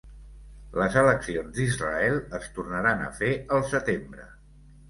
Les eleccions d'Israel es tornaran a fer al setembre